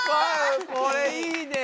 これいいね。